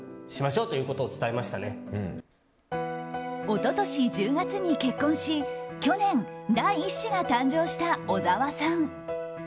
一昨年１０月に結婚し去年、第１子が誕生した小澤さん。